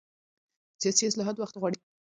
سیاسي اصلاحات وخت غواړي